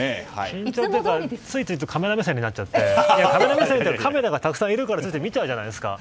緊張というか、ついついカメラ目線になっちゃってたくさんいるから見ちゃうじゃないですか。